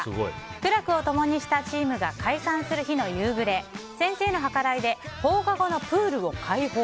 苦楽を共にしたチームが解散する日の夕暮れ先生の計らいで放課後のプールを解放。